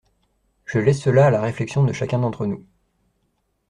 Je laisse cela à la réflexion de chacun d’entre nous.